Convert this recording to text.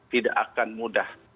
tidak akan mudah